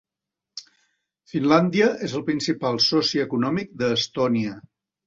Finlàndia és el principal soci econòmic d'Estònia.